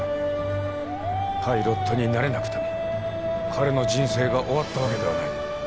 パイロットになれなくても彼の人生が終わったわけではない。